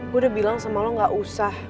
gue udah bilang sama lo gak usah